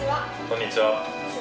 こんにちは。